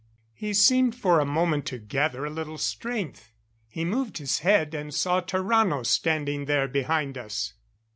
He seemed for a moment to gather a little strength; he moved his head and saw Tarrano standing there behind us.